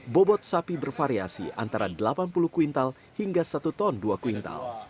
bobot sapi bervariasi antara delapan puluh kuintal hingga satu ton dua kuintal